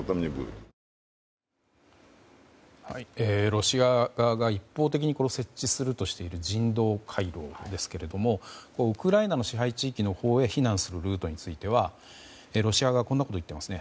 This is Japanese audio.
ロシア側が一方的に設置するとしている人道回廊ですがウクライナの支配地域のほうへ避難するルートについてはロシア側がこんなことを言っています。